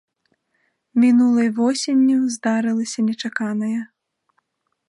Мінулай восенню здарылася нечаканае.